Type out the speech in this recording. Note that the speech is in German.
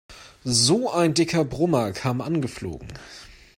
So ein dicker Brummer kam angeflogen.